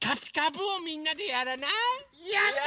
やった！